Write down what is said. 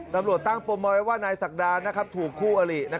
ตำรวจตั้งปมเอาไว้ว่านายศักดาถูกคู่อลิ